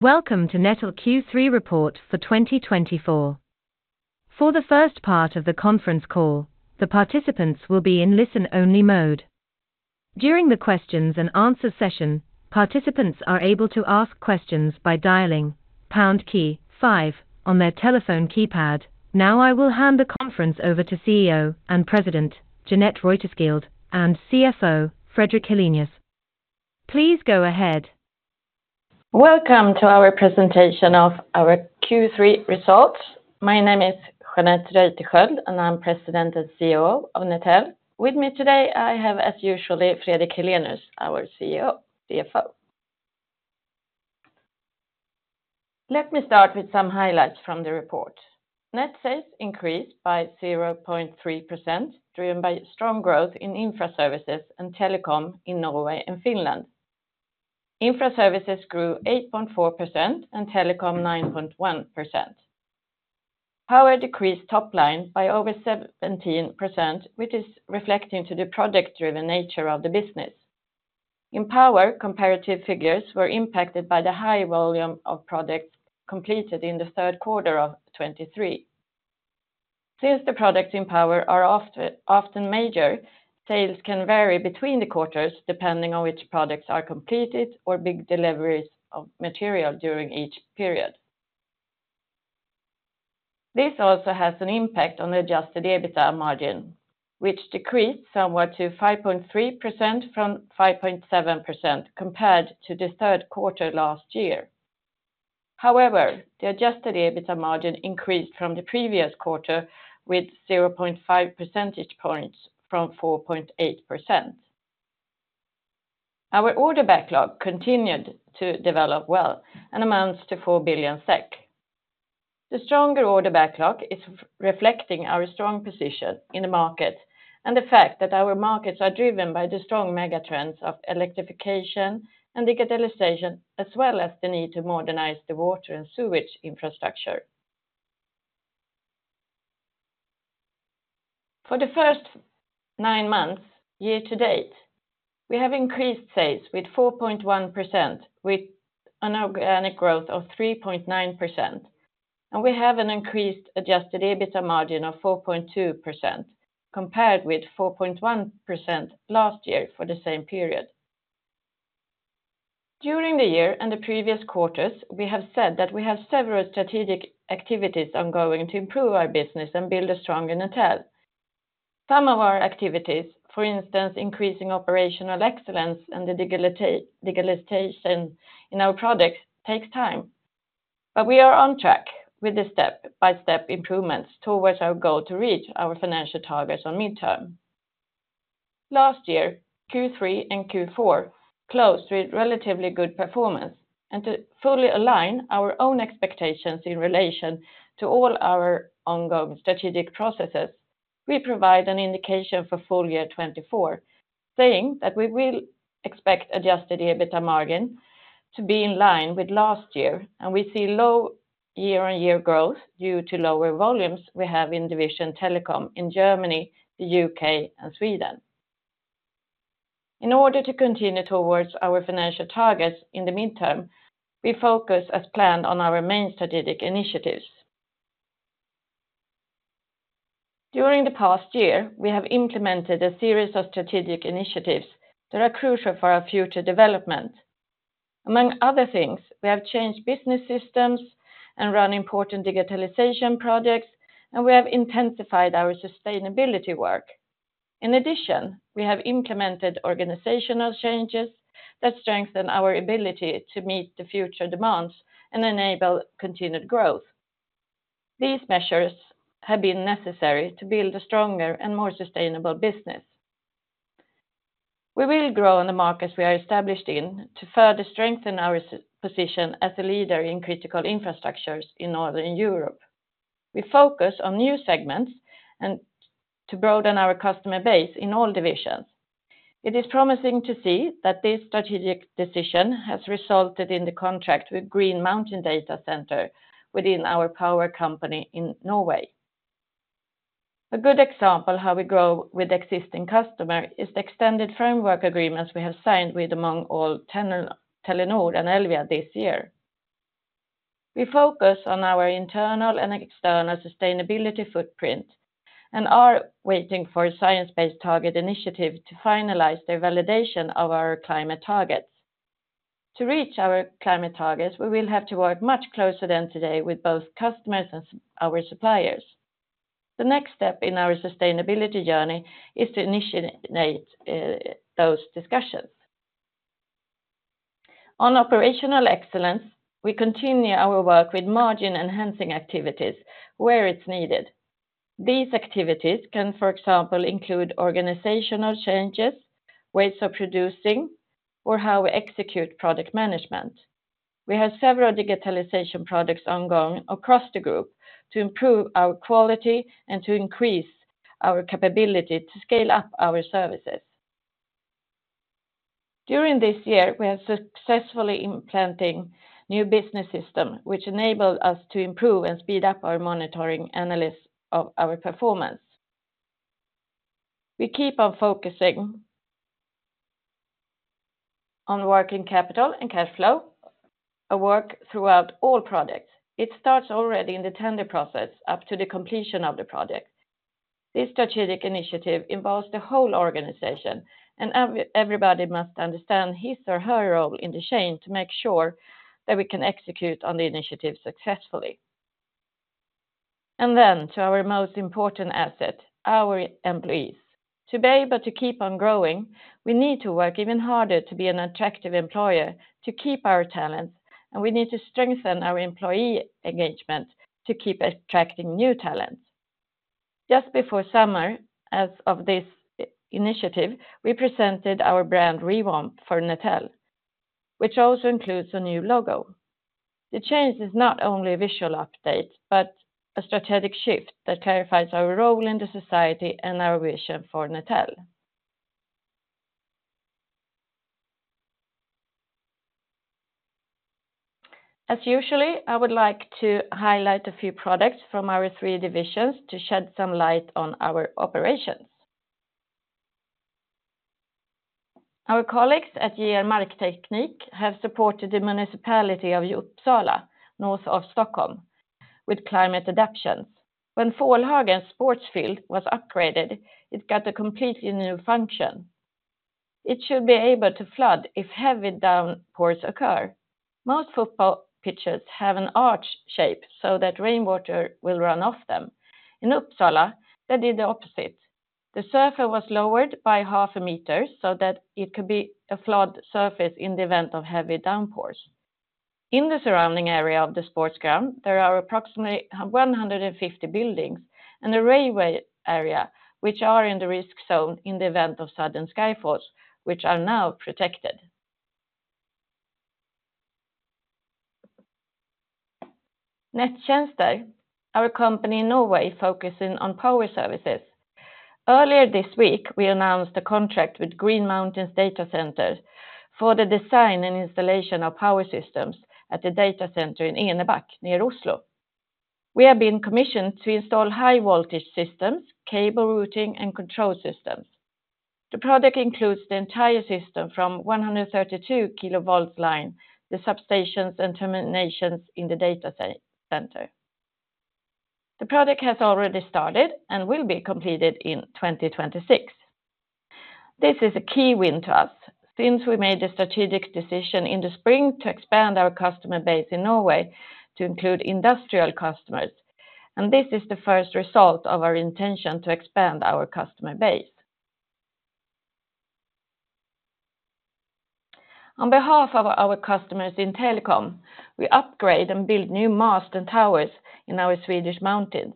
Welcome to Netel Q3 report for 2024. For the first part of the conference call, the participants will be in listen-only mode. During the questions and answer session, participants are able to ask questions by dialing pound key five on their telephone keypad. Now, I will hand the conference over to CEO and President, Jeanette Reuterskiöld, and CFO, Fredrik Helenius. Please go ahead. Welcome to our presentation of our Q3 results. My name is Jeanette Reuterskiöld, and I'm President and CEO of Netel. With me today, I have, as usual, Fredrik Helenius, our CFO. Let me start with some highlights from the report. Net sales increased by 0.3%, driven by strong growth in Infra Services and Telecom in Norway and Finland. Infra Services grew 8.4% and Telecom, 9.1%. Power decreased top line by over 17%, which is reflecting to the project-driven nature of the business. In Power, comparative figures were impacted by the high volume of projects completed in the third quarter of 2023. Since the projects in Power are often major, sales can vary between the quarters, depending on which projects are completed or big deliveries of material during each period. This also has an impact on the Adjusted EBITDA margin, which decreased somewhat to 5.3% from 5.7% compared to the third quarter last year. However, the Adjusted EBITDA margin increased from the previous quarter with 0.5 percentage points from 4.8%. Our order backlog continued to develop well and amounts to 4 billion SEK. The stronger order backlog is reflecting our strong position in the market and the fact that our markets are driven by the strong mega trends of electrification and digitalization, as well as the need to modernize the water and sewage infrastructure. For the first nine months, year to date, we have increased sales with 4.1%, with an organic growth of 3.9%, and we have an increased Adjusted EBITDA margin of 4.2%, compared with 4.1% last year for the same period. During the year and the previous quarters, we have said that we have several strategic activities ongoing to improve our business and build a stronger Netel. Some of our activities, for instance, increasing operational excellence and the digitalization in our projects, takes time, but we are on track with the step-by-step improvements towards our goal to reach our financial targets on midterm. Last year, Q3 and Q4 closed with relatively good performance, and to fully align our own expectations in relation to all our ongoing strategic processes, we provide an indication for full year 2024, saying that we will expect Adjusted EBITDA margin to be in line with last year, and we see low year-on-year growth due to lower volumes we have in division Telecom in Germany, the U.K., and Sweden. In order to continue towards our financial targets in the midterm, we focus as planned on our main strategic initiatives. During the past year, we have implemented a series of strategic initiatives that are crucial for our future development. Among other things, we have changed business systems and run important digitalization projects, and we have intensified our sustainability work. In addition, we have implemented organizational changes that strengthen our ability to meet the future demands and enable continued growth. These measures have been necessary to build a stronger and more sustainable business. We will grow on the markets we are established in to further strengthen our position as a leader in critical infrastructures in Northern Europe. We focus on new segments and to broaden our customer base in all divisions. It is promising to see that this strategic decision has resulted in the contract with Green Mountain data center within our Power company in Norway. A good example how we grow with existing customer is the extended framework agreements we have signed with among all Telenor and Elvia this year. We focus on our internal and external sustainability footprint and are waiting for a Science Based Targets initiative to finalize their validation of our climate targets. To reach our climate targets, we will have to work much closer than today with both customers and our suppliers. The next step in our sustainability journey is to initiate those discussions. On operational excellence, we continue our work with margin-enhancing activities where it's needed. These activities can, for example, include organizational changes, ways of producing, or how we execute projects management. We have several digitalization projects ongoing across the group to improve our quality and to increase our capability to scale up our services. During this year, we are successfully implementing new business system, which enable us to improve and speed up our monitoring analysis of our performance. We keep on focusing on working capital and cash flow, our work throughout all projects. It starts already in the tender process up to the completion of the project. This strategic initiative involves the whole organization, and everybody must understand his or her role in the chain to make sure that we can execute on the initiative successfully. And then to our most important asset, our employees. To be able to keep on growing, we need to work even harder to be an attractive employer, to keep our talents, and we need to strengthen our employee engagement to keep attracting new talents. Just before summer, as of this initiative, we presented our brand revamp for Netel, which also includes a new logo. The change is not only a visual update, but a strategic shift that clarifies our role in the society and our vision for Netel. As usually, I would like to highlight a few products from our three divisions to shed some light on our operations. Our colleagues at JR Markteknik have supported the municipality of Uppsala, north of Stockholm, with climate adaptations. When Fålhagen sports field was upgraded, it got a completely new function. It should be able to flood if heavy downpours occur. Most football pitches have an arch shape so that rainwater will run off them. In Uppsala, they did the opposite. The surface was lowered by half a meter so that it could be a flood surface in the event of heavy downpours. In the surrounding area of the sports ground, there are approximately 150 buildings and a railway area, which are in the risk zone in the event of sudden skyfalls, which are now protected. Nettjenester, our company in Norway, focusing on Power services. Earlier this week, we announced a contract with Green Mountain for the design and installation of Power systems at the data center in Enebakk, near Oslo. We have been commissioned to install high voltage systems, cable routing, and control systems. The project includes the entire system from 132 kilovolt line, the substations, and terminations in the data center. The project has already started and will be completed in 2026. This is a key win to us since we made a strategic decision in the spring to expand our customer base in Norway to include industrial customers, and this is the first result of our intention to expand our customer base. On behalf of our customers in Telecom, we upgrade and build new masts and towers in our Swedish mountains,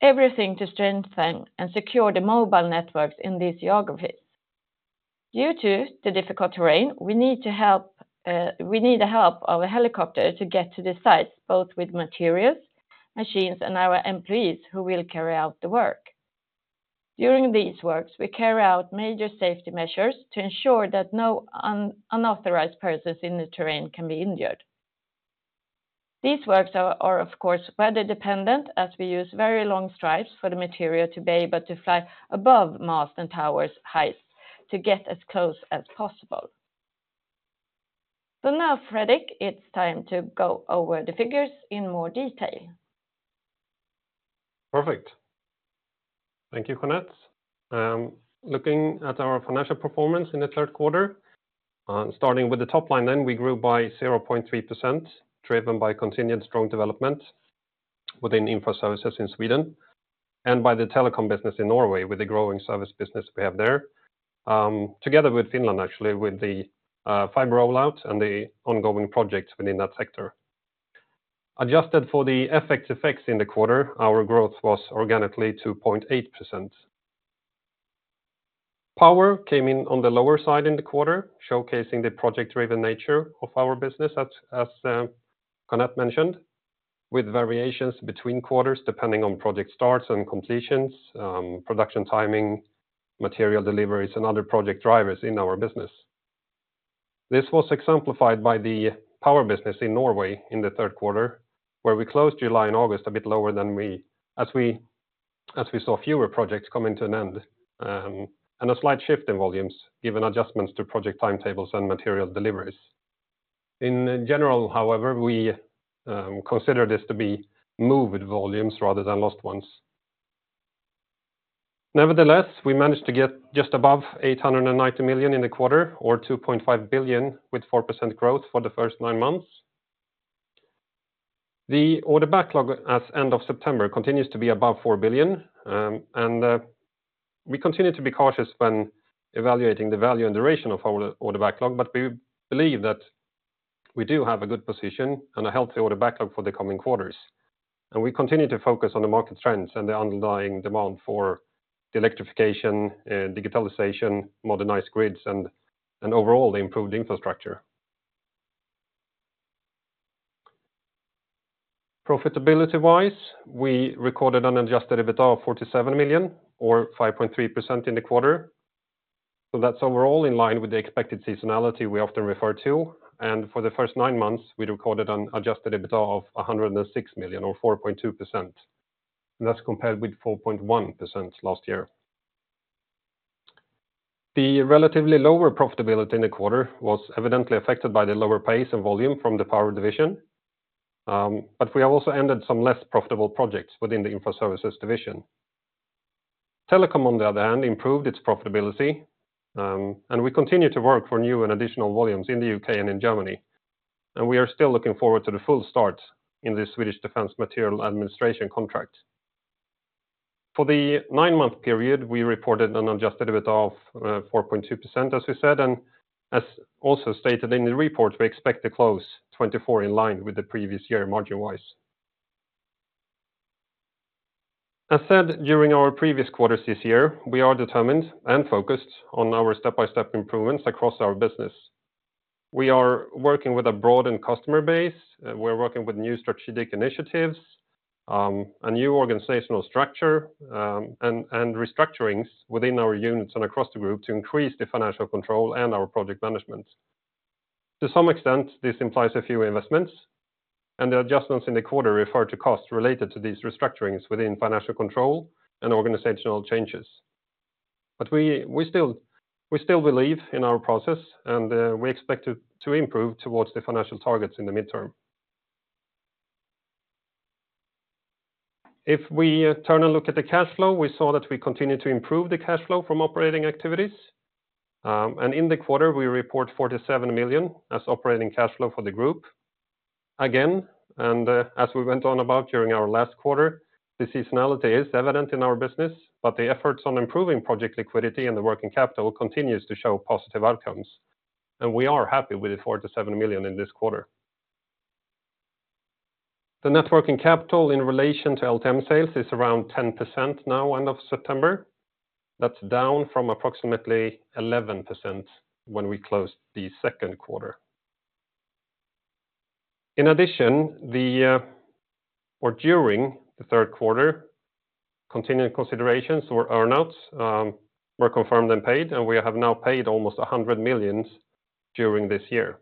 everything to strengthen and secure the mobile networks in these geographies. Due to the difficult terrain, we need the help of a helicopter to get to the sites, both with materials, machines, and our employees who will carry out the work. During these works, we carry out major safety measures to ensure that no unauthorized persons in the terrain can be injured. These works are, of course, weather dependent, as we use very long strops for the material to be able to fly above masts and towers heights to get as close as possible. So now, Fredrik, it's time to go over the figures in more detail. Perfect. Thank you, Jeanette. Looking at our financial performance in the third quarter, starting with the top line, then we grew by 0.3%, driven by continued strong development within Infra Services in Sweden, and by the Telecom business in Norway, with the growing service business we have there. Together with Finland, actually, with the fiber rollout and the ongoing projects within that sector. Adjusted for the effects in the quarter, our growth was organically 2.8%. Power came in on the lower side in the quarter, showcasing the project-driven nature of our business, as Jeanette mentioned, with variations between quarters, depending on project starts and completions, production timing, material deliveries, and other project drivers in our business. This was exemplified by the Power business in Norway in the third quarter, where we closed July and August a bit lower than we as we saw fewer projects coming to an end, and a slight shift in volumes, given adjustments to project timetables and material deliveries. In general, however, we consider this to be moved volumes rather than lost ones. Nevertheless, we managed to get just above 890 million in the quarter, or 2.5 billion, with 4% growth for the first nine months. The order backlog at end of September continues to be above 4 billion, and we continue to be cautious when evaluating the value and duration of our order backlog, but we believe that we do have a good position and a healthy order backlog for the coming quarters. We continue to focus on the market trends and the underlying demand for the electrification, digitalization, modernized grids, and overall, the improved infrastructure. Profitability-wise, we recorded an Adjusted EBITDA of 47 million, or 5.3% in the quarter. That's overall in line with the expected seasonality we often refer to, and for the first nine months, we recorded an Adjusted EBITDA of 106 million or 4.2%. That's compared with 4.1% last year. The relatively lower profitability in the quarter was evidently affected by the lower pace and volume from the Power division, but we have also ended some less profitable projects within the Infra Services division. Telecom, on the other hand, improved its profitability, and we continue to work for new and additional volumes in the U.K. and in Germany, and we are still looking forward to the full start in the Swedish Defence Materiel Administration contract. For the nine-month period, we reported an Adjusted EBITDA of 4.2%, as we said, and as also stated in the report, we expect to close 2024 in line with the previous year, margin-wise. As said, during our previous quarters this year, we are determined and focused on our step-by-step improvements across our business. We are working with a broadened customer base, we're working with new strategic initiatives, a new organizational structure, and restructurings within our units and across the group to increase the financial control and our project management. To some extent, this implies a few investments, and the adjustments in the quarter refer to costs related to these restructurings within financial control and organizational changes. But we still believe in our process, and we expect to improve towards the financial targets in the midterm. If we turn and look at the cash flow, we saw that we continued to improve the cash flow from operating activities, and in the quarter, we report 47 million as operating cash flow for the group. Again, as we went on about during our last quarter, the seasonality is evident in our business, but the efforts on improving project liquidity and the working capital continues to show positive outcomes, and we are happy with the 47 million in this quarter. The net working capital in relation to LTM sales is around 10% now, end of September. That's down from approximately 11% when we closed the second quarter. In addition, the or during the third quarter, continuing considerations or earn-outs were confirmed and paid, and we have now paid almost 100 million during this year.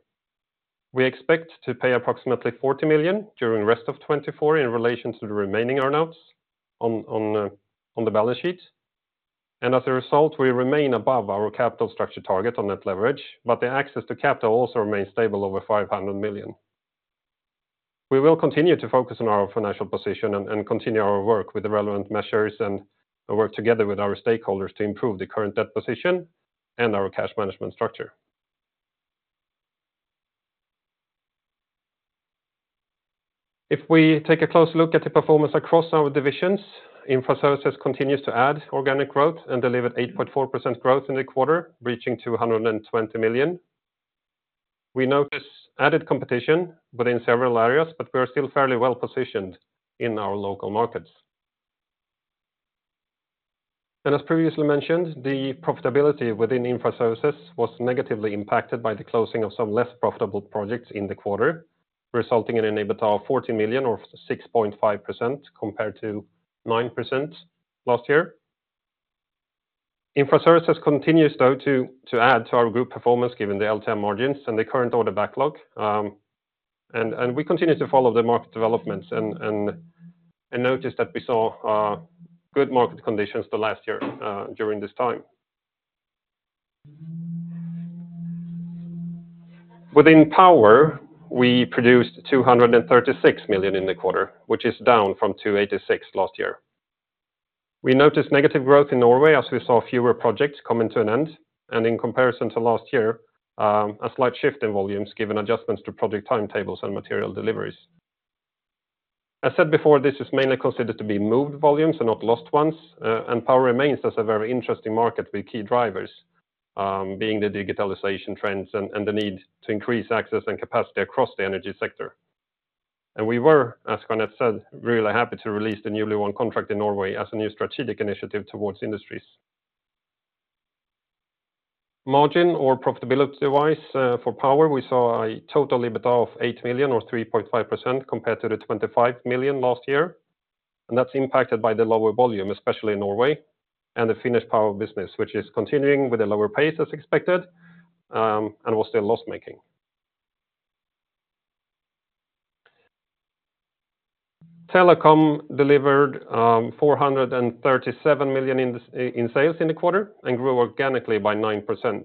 We expect to pay approximately 40 million during the rest of 2024 in relation to the remaining earn-outs on the balance sheet. As a result, we remain above our capital structure target on net leverage, but the access to capital also remains stable over 500 million. We will continue to focus on our financial position and continue our work with the relevant measures and work together with our stakeholders to improve the current debt position and our cash management structure. If we take a close look at the performance across our divisions, Infra Services continues to add organic growth and delivered 8.4% growth in the quarter, reaching 220 million. We notice added competition within several areas, but we are still fairly well-positioned in our local markets, and as previously mentioned, the profitability within Infra Services was negatively impacted by the closing of some less profitable projects in the quarter, resulting in an EBITDA of 40 million or 6.5%, compared to 9% last year. Infra Services continues, though, to add to our group performance, given the LTM margins and the current order backlog, and we continue to follow the market developments and notice that we saw good market conditions the last year, during this time. Within Power, we produced 236 million in the quarter, which is down from 286 million last year. We noticed negative growth in Norway as we saw fewer projects coming to an end, and in comparison to last year, a slight shift in volumes, given adjustments to project timetables and material deliveries. As said before, this is mainly considered to be moved volumes and not lost ones, and Power remains as a very interesting market with key drivers being the digitalization trends and the need to increase access and capacity across the energy sector. We were, as Jeanette said, really happy to release the newly won contract in Norway as a new strategic initiative towards industries. Margin or profitability-wise, for Power, we saw a total EBITDA of 8 million, or 3.5%, compared to the 25 million last year, and that's impacted by the lower volume, especially in Norway, and the Finnish Power business, which is continuing with a lower pace as expected, and was still loss-making. Telecom delivered 437 million in sales in the quarter and grew organically by 9%.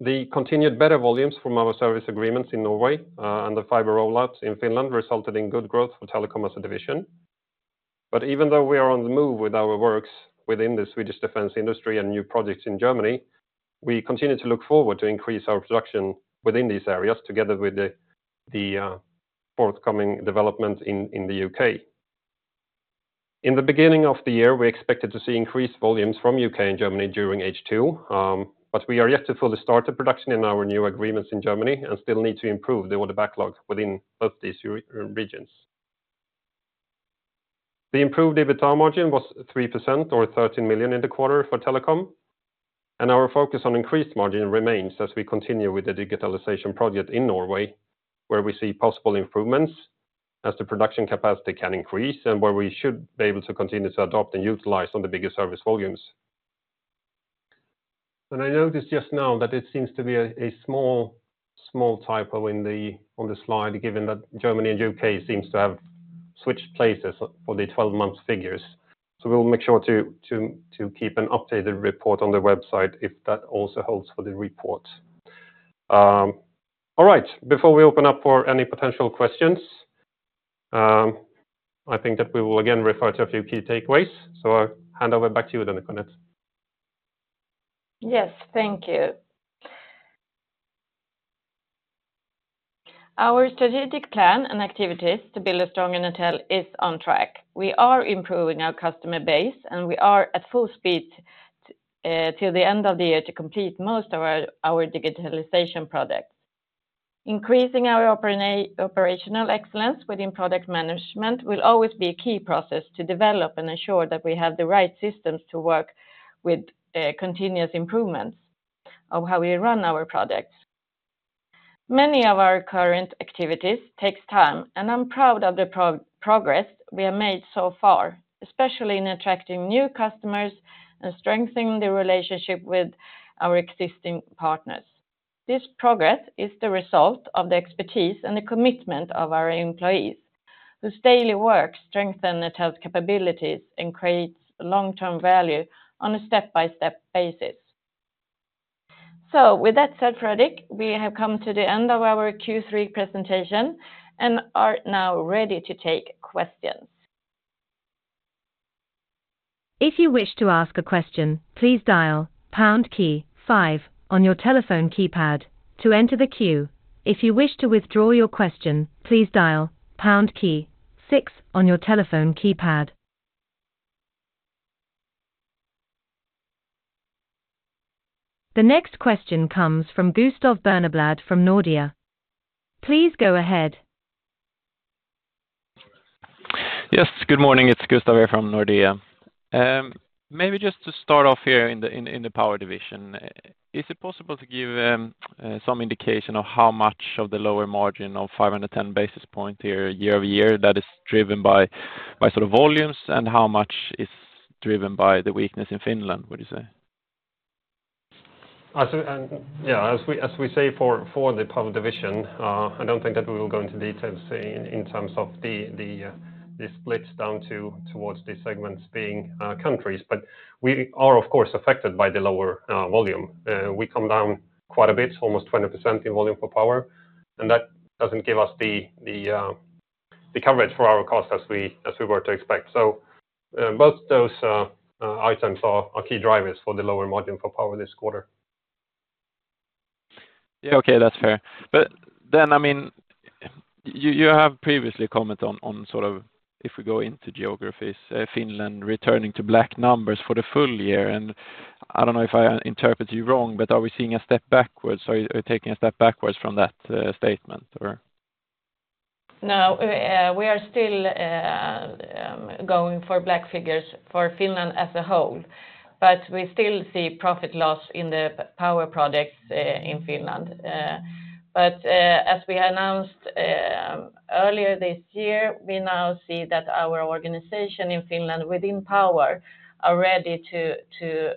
The continued better volumes from our service agreements in Norway, and the fiber rollouts in Finland resulted in good growth for Telecom as a division. But even though we are on the move with our works within the Swedish defense industry and new projects in Germany, we continue to look forward to increase our production within these areas, together with the forthcoming development in the U.K. In the beginning of the year, we expected to see increased volumes from U.K. and Germany during H2, but we are yet to fully start the production in our new agreements in Germany and still need to improve the order backlog within both these regions. The improved EBITDA margin was 3% or 13 million SEK in the quarter for Telecom, and our focus on increased margin remains as we continue with the digitalization project in Norway, where we see possible improvements as the production capacity can increase, and where we should be able to continue to adopt and utilize on the bigger service volumes. And I noticed just now that it seems to be a small typo on the slide, given that Germany and U.K. seems to have switched places for the twelve-month figures. So we'll make sure to keep an updated report on the website, if that also holds for the report. All right, before we open up for any potential questions, I think that we will again refer to a few key takeaways, so I'll hand over back to you then, Jeanette. Yes, thank you. Our strategic plan and activities to build a stronger Netel is on track. We are improving our customer base, and we are at full speed till the end of the year to complete most of our digitalization products. Increasing our operational excellence within project management will always be a key process to develop and ensure that we have the right systems to work with continuous improvements of how we run our products. Many of our current activities takes time, and I'm proud of the progress we have made so far, especially in attracting new customers and strengthening the relationship with our existing partners. This progress is the result of the expertise and the commitment of our employees, whose daily work strengthen Netel's capabilities and creates long-term value on a step-by-step basis. So with that said, Fredrik, we have come to the end of our Q3 presentation and are now ready to take questions. If you wish to ask a question, please dial pound key five on your telephone keypad to enter the queue. If you wish to withdraw your question, please dial pound key six on your telephone keypad. The next question comes from Gustav Berneblad from Nordea. Please go ahead. Yes, good morning. It's Gustav here from Nordea. Maybe just to start off here in the Power division, is it possible to give some indication of how much of the lower margin of 510 basis points here year-over-year that is driven by sort of volumes, and how much is driven by the weakness in Finland, would you say? I think, and yeah, as we say, for the Power division, I don't think that we will go into details in terms of the splits down towards the segments being countries, but we are, of course, affected by the lower volume. We come down quite a bit, almost 20% in volume for Power, and that doesn't give us the coverage for our cost as we were to expect. So, both those items are key drivers for the lower margin for Power this quarter. Yeah, okay, that's fair. But then, I mean, you have previously commented on sort of if we go into geographies, Finland returning to black numbers for the full year, and I don't know if I interpreted you wrong, but are we seeing a step backwards or are you taking a step backwards from that statement, or? No, we are still going for black figures for Finland as a whole, but we still see profit loss in the Power products in Finland, but as we announced earlier this year, we now see that our organization in Finland within Power are ready to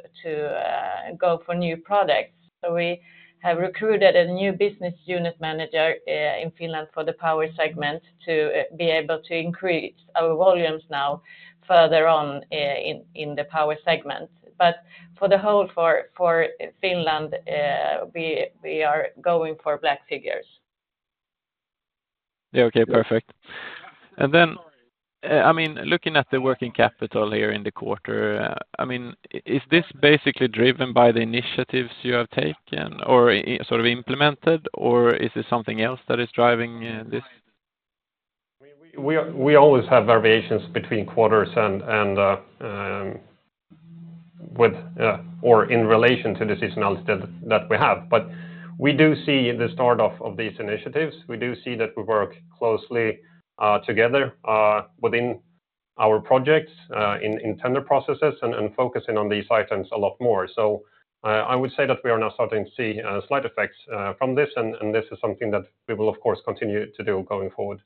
go for new products, so we have recruited a new business unit manager in Finland for the Power segment to be able to increase our volumes now further on in the Power segment, but for the whole for Finland, we are going for black figures. Yeah, okay, perfect. And then, I mean, looking at the working capital here in the quarter, I mean, is this basically driven by the initiatives you have taken or is sort of implemented, or is it something else that is driving, this? We always have variations between quarters and with or in relation to the seasonality that we have. But we do see the start off of these initiatives. We do see that we work closely together within our projects in tender processes and focusing on these items a lot more. So, I would say that we are now starting to see slight effects from this, and this is something that we will, of course, continue to do going forward.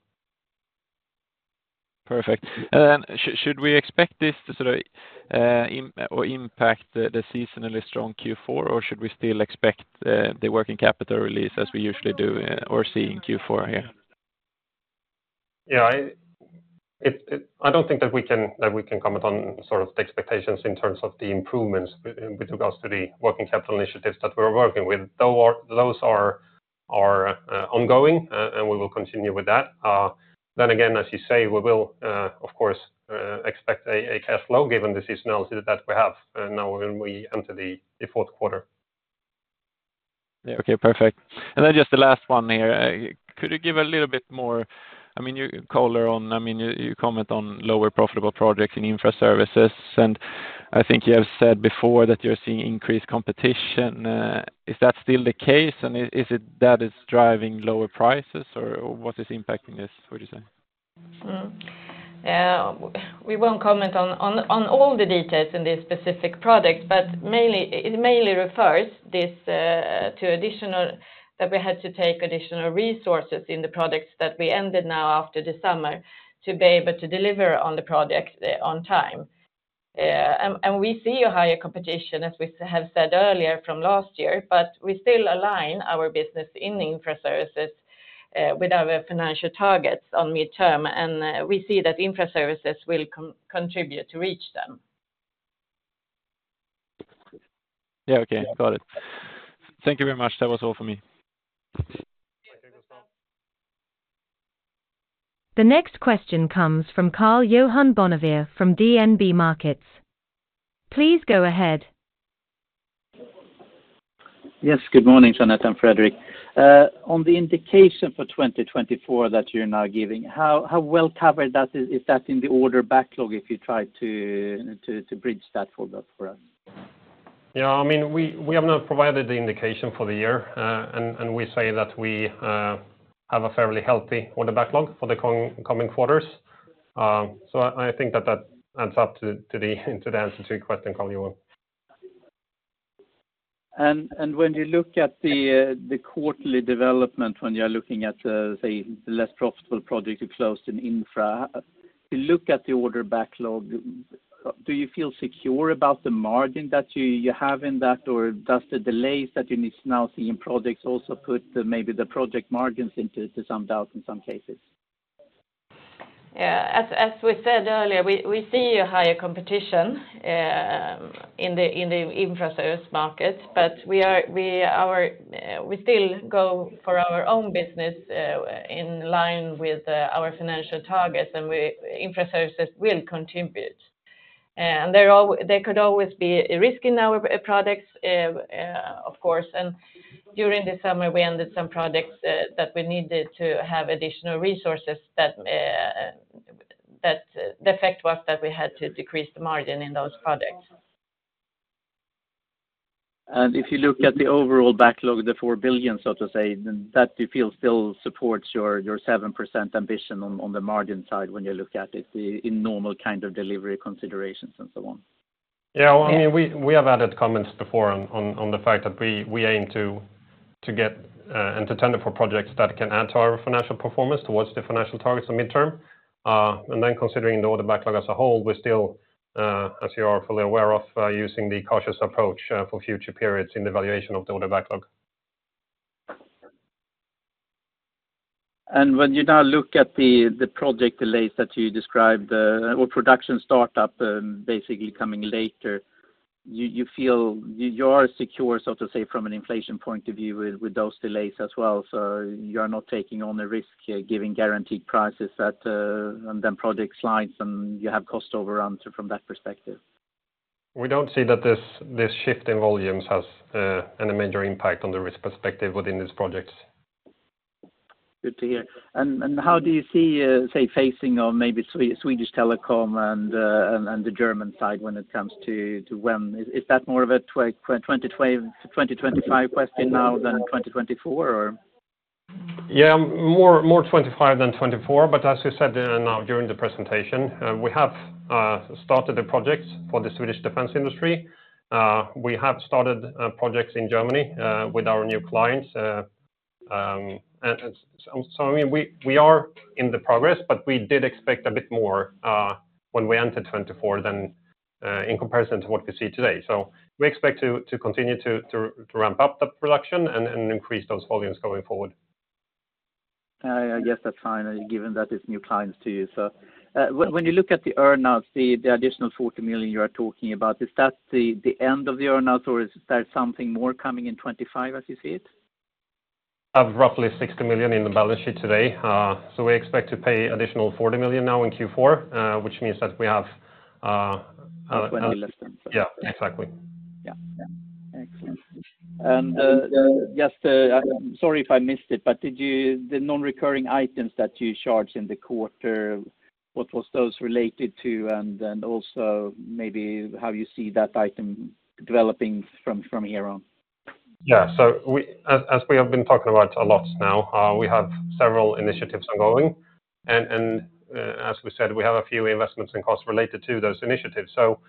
Perfect. And then should we expect this to sort of impact the seasonally strong Q4? Or should we still expect the working capital release as we usually do, or see in Q4 here? Yeah, I don't think that we can comment on sort of the expectations in terms of the improvements in regards to the working capital initiatives that we're working with. Those are ongoing, and we will continue with that. Then again, as you say, we will of course expect a cash flow given the seasonality that we have now when we enter the fourth quarter. Yeah. Okay, perfect. And then just the last one here, could you give a little bit more, I mean, you color on, I mean, you comment on lower profitable projects in infrastructure services, and I think you have said before that you're seeing increased competition. Is that still the case, and is it that is driving lower prices, or what is impacting this, would you say? We won't comment on all the details in this specific product, but mainly, it refers this to additional that we had to take additional resources in the products that we ended now after the summer to be able to deliver on the project on time. And we see a higher competition, as we have said earlier from last year, but we still align our business in Infra Services with our financial targets on midterm, and we see that Infra Services will contribute to reach them. Yeah, okay. Got it. Thank you very much. That was all for me. The next question comes from Karl-Johan Bonnevier from DNB Markets. Please go ahead. Yes, good morning, Jeanette and Fredrik. On the indication for 2024 that you're now giving, how well covered that is, is that in the order backlog, if you try to bridge that for us? Yeah, I mean, we have not provided the indication for the year, and we say that we have a fairly healthy order backlog for the coming quarters, so I think that adds up to the answer to your question, Karl-Johan. When you look at the quarterly development, when you're looking at, say, the less profitable project you closed in infra, you look at the order backlog, do you feel secure about the margin that you have in that, or does the delays that you need to now see in projects also put maybe the project margins into some doubt in some cases? Yeah, as we said earlier, we see a higher competition in the Infra Services market, but we still go for our own business in line with our financial targets, and we, Infra Services will contribute. And there could always be a risk in our projects, of course. And during the summer, we ended some projects that we needed to have additional resources that. The effect was that we had to decrease the margin in those projects. If you look at the overall backlog, the 4 billion, so to say, then that you feel still supports your, your 7% ambition on, on the margin side when you look at it in normal kind of delivery considerations and so on? Yeah, I mean, we have added comments before on the fact that we aim to get and to tender for projects that can add to our financial performance, towards the financial targets for midterm, and then considering the order backlog as a whole, we're still, as you are fully aware of, using the cautious approach for future periods in the valuation of the order backlog. And when you now look at the project delays that you described, or production startup, basically coming later, you feel you are secure, so to say, from an inflation point of view, with those delays as well. So you are not taking on the risk here, giving guaranteed prices that, and then project slides, and you have cost overruns from that perspective. We don't see that this shift in volumes has any major impact on the risk perspective within these projects. Good to hear. And how do you see, say, facing or maybe Swedish Telecom and the German side when it comes to when? Is that more of a 2025 question now than 2024, or? Yeah, more 2025 than 2024. As you said, now during the presentation, we have started the projects for the Swedish defense industry. We have started projects in Germany with our new clients, and so, I mean, we are in the progress, but we did expect a bit more when we entered 2024 than in comparison to what we see today. We expect to continue to ramp up the production and increase those volumes going forward. I guess that's fine, given that it's new clients to you. So, when you look at the earn-outs, the additional 40 million you are talking about, is that the end of the earn-outs, or is there something more coming in 2025 as you see it? Of roughly 60 million in the balance sheet today. So we expect to pay additional 40 million now in Q4, which means that we have, 20 less than. Yeah, exactly. Yeah, yeah. Excellent. And, just, sorry if I missed it, but did you, the non-recurring items that you charged in the quarter, what was those related to? And then also maybe how you see that item developing from here on? Yeah. So we, as we have been talking about a lot now, we have several initiatives ongoing. And as we said, we have a few investments and costs related to those initiatives. So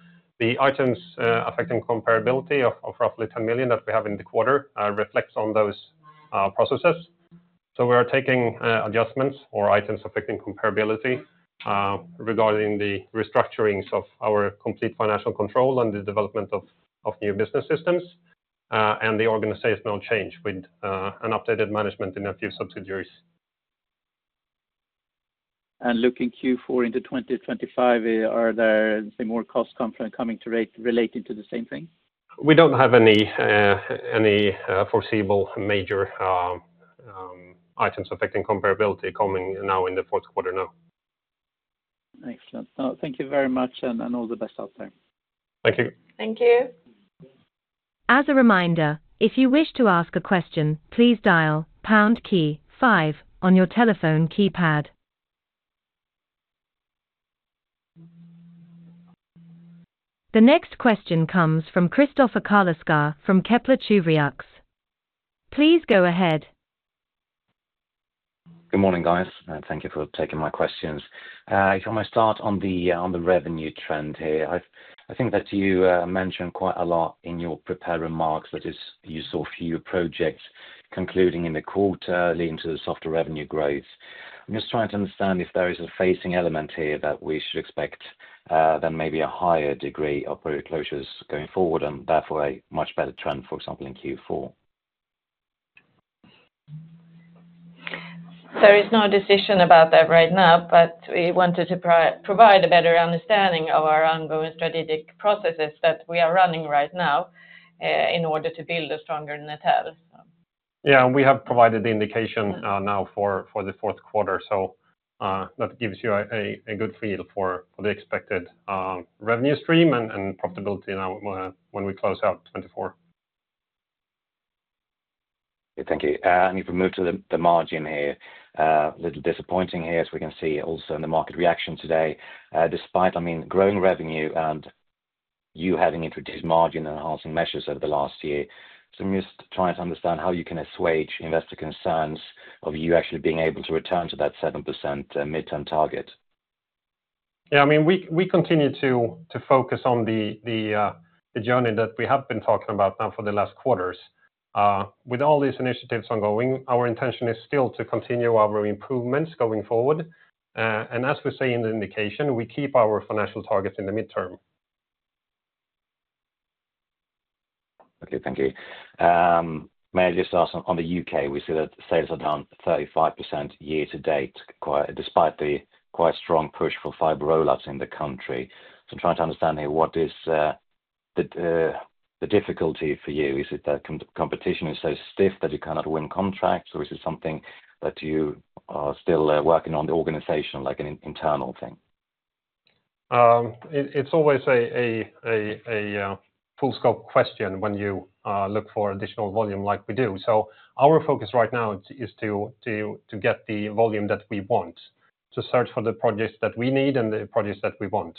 the items affecting comparability of roughly 10 million that we have in the quarter reflects on those processes. So we are taking adjustments or items affecting comparability regarding the restructurings of our complete financial control and the development of new business systems and the organizational change with an updated management in a few subsidiaries. Looking Q4 into 2025, are there, say, more costs coming related to the same thing? We don't have any foreseeable major items affecting comparability coming now in the fourth quarter, no. Excellent. So thank you very much, and all the best out there. Thank you. Thank you. As a reminder, if you wish to ask a question, please dial pound key five on your telephone keypad. The next question comes from Kristoffer Carleskär from Kepler Cheuvreux. Please go ahead. Good morning, guys, and thank you for taking my questions. If I may start on the revenue trend here. I think that you mentioned quite a lot in your prepared remarks, that is, you saw few projects concluding in the quarter, leading to the softer revenue growth. I'm just trying to understand if there is a phasing element here that we should expect, then maybe a higher degree of project closures going forward, and therefore a much better trend, for example, in Q4? There is no decision about that right now, but we wanted to provide a better understanding of our ongoing strategic processes that we are running right now in order to build a stronger Netel. Yeah, and we have provided the indication now for the fourth quarter, so that gives you a good feel for the expected revenue stream and profitability now when we close out 2024. Thank you, and if we move to the margin here, little disappointing here, as we can see also in the market reaction today, despite, I mean, growing revenue and you having introduced margin enhancing measures over the last year, so I'm just trying to understand how you can assuage investor concerns of you actually being able to return to that 7% midterm target. Yeah, I mean, we continue to focus on the journey that we have been talking about now for the last quarters. With all these initiatives ongoing, our intention is still to continue our improvements going forward, and as we say in the indication, we keep our financial targets in the midterm. Okay, thank you. May I just ask, on the U.K., we see that sales are down 35% year to date, quite, despite the quite strong push for fiber rollouts in the country. So I'm trying to understand here, what is the difficulty for you? Is it that competition is so stiff that you cannot win contracts, or is this something that you are still working on the organization, like an internal thing? It's always a full scope question when you look for additional volume like we do, so our focus right now is to get the volume that we want, to search for the projects that we need and the projects that we want,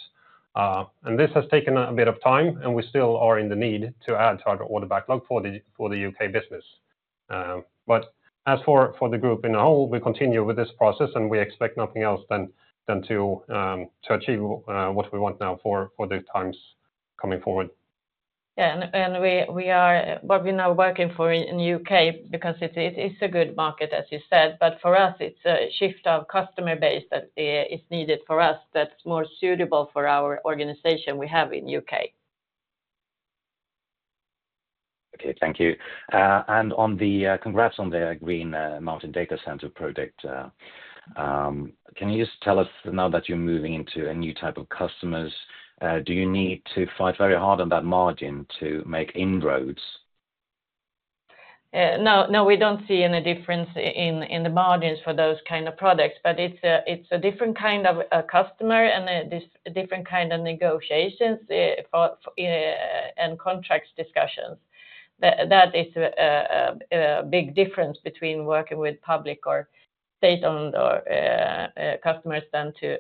and this has taken a bit of time, and we still are in the need to add target order backlog for the U.K. business, but as for the group as a whole, we continue with this process, and we expect nothing else than to achieve what we want now for the times coming forward. Yeah, and what we're now working for in U.K., because it's a good market, as you said, but for us, it's a shift of customer base that is needed for us, that's more suitable for our organization we have in U.K. Okay. Thank you, and on the congrats on the Green Mountain data center project. Can you just tell us, now that you're moving into a new type of customers, do you need to fight very hard on that margin to make inroads? No, no, we don't see any difference in the margins for those kind of products, but it's a different kind of customer and a different kind of negotiations and contracts discussions. That is a big difference between working with public or state-owned or customers than to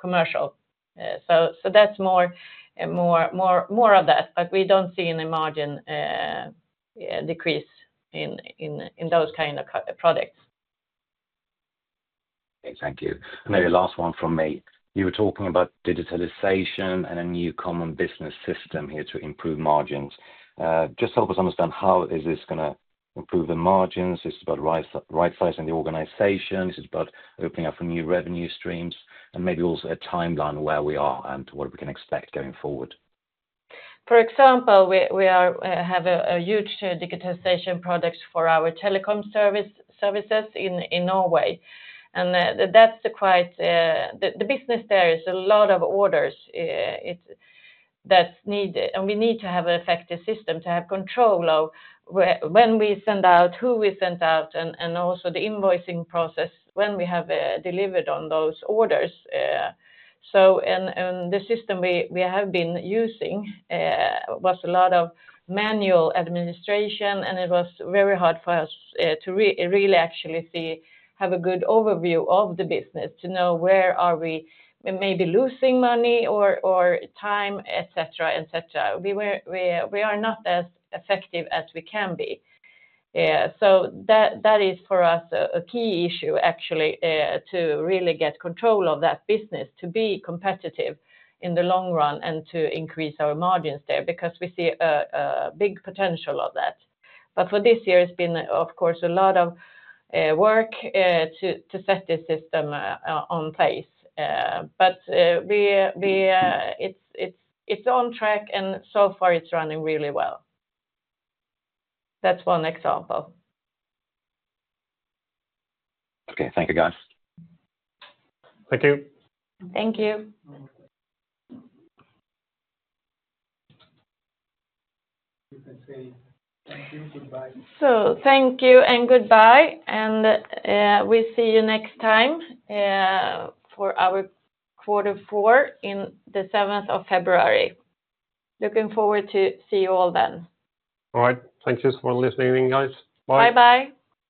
commercial. So that's more of that, but we don't see any margin decrease in those kind of products. Okay. Thank you. Maybe last one from me. You were talking about digitalization and a new common business system here to improve margins. Just help us understand how is this gonna improve the margins? Is it about right-sizing the organization? Is it about opening up new revenue streams? And maybe also a timeline where we are and what we can expect going forward. For example, we have a huge digitization products for our Telecom services in Norway and that's quite the business there is a lot of orders. It's that we need and we need to have an effective system to have control of when we send out, who we send out, and also the invoicing process when we have delivered on those orders so and the system we have been using was a lot of manual administration and it was very hard for us to really actually see have a good overview of the business to know where we are maybe losing money or time, et cetera, et cetera. We are not as effective as we can be. So that is, for us, a key issue, actually, to really get control of that business, to be competitive in the long run and to increase our margins there, because we see a big potential of that. But for this year, it's been, of course, a lot of work to set the system on pace. But it's on track, and so far it's running really well. That's one example. Okay. Thank you, guys. Thank you. Thank you. You can say thank you, goodbye. So thank you and goodbye, and, we see you next time, for our quarter four in the seventh of February. Looking forward to see you all then. All right. Thank you for listening, guys. Bye. Bye-bye.